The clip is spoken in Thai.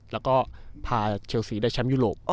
แล้วพาเชลสีไปชั้นยุโรป